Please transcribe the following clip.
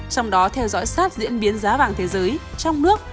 trong đó theo dõi sát diễn biến giá vàng thế giới trong nước